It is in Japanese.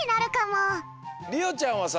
りおちゃんはさ